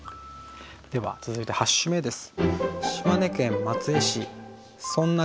では続いて８首目です。